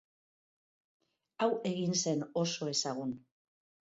Hau egin zen oso ezagun.